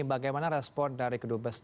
bagaimana respon dari kedua dua sendiri